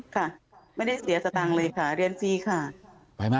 ค่ะไม่ได้เสียสตางค์เลยค่ะเรียนฟรีค่ะ